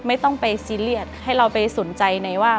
ไม่ต้องไปซีเรียสให้เราไปสนใจในว่า